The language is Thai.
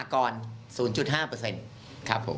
แล้วก็ถูกหาประสิทธิ์ไม่เหมือนกับรวจตอนก่อน